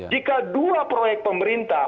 jika dua proyek pemerintah